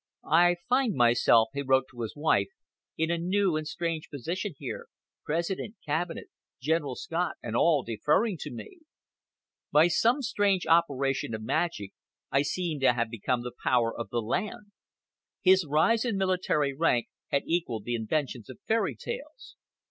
"I find myself," he wrote to his wife, "in a new and strange position here, President, cabinet, General Scott, and all, deferring to me. By some strange operation of magic I seem to have become the power of the land." His rise in military rank had equaled the inventions of fairy tales.